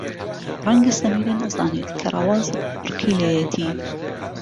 ڕەنگە سەمیرە نەزانێت کە ڕەوەز ڕقی لێیەتی.